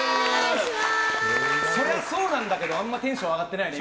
そりゃそうなんだけどあんまりテンション上がってないよね。